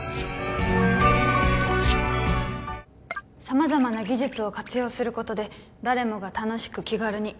「さまざまな技術を活用することで誰もが楽しく気軽に」